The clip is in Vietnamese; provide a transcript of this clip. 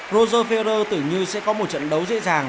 roger ferrer tưởng như sẽ có một trận đấu dễ dàng